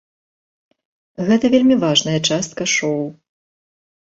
Гэта вельмі важная частка шоу.